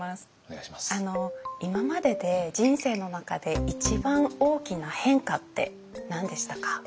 今までで人生の中で一番大きな変化って何でしたか？